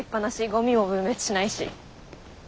ゴミも分別しないし。